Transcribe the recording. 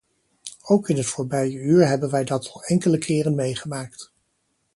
Ook in het voorbije uur hebben wij dat al enkele keren meegemaakt.